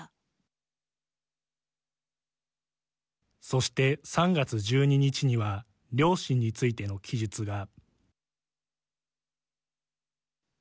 そして、３月１２日には両親についての記述が。